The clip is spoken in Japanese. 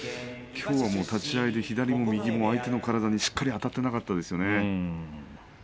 きょうは立ち合いで左も右相手の体にしっかりあたっていなかったですよね。